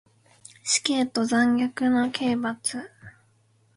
死刑と残虐な刑罰